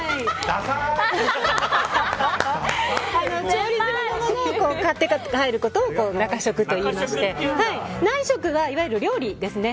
調理済みのものを買って帰ることを中食といいまして内食は、いわゆる料理ですね。